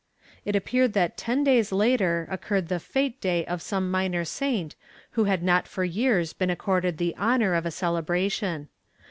It appeared that ten days later occurred the fete day of some minor saint who had not for years been accorded the honor of a celebration.